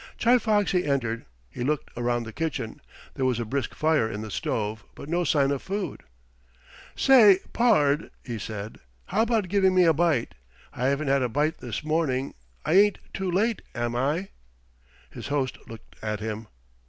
Chi Foxy entered. He looked around the kitchen. There was a brisk fire in the stove, but no sign of food. "Say, pard," he said, "how about giving me a bite? I haven't had a bite this morning. I ain't too late, am I?" His host looked at him.